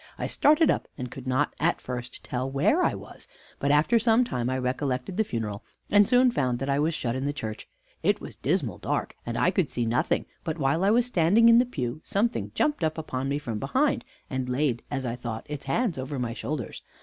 I started up, and could not at first tell where I was; but after some time I recollected the funeral, and soon found that I was shut in the church. It was dismal dark, and I could see nothing; but while I was standing in the pew, something jumped up upon me behind, and laid, as I thought, its hands over my shoulders.